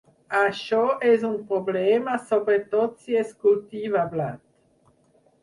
Això és un problema sobretot si es cultiva blat.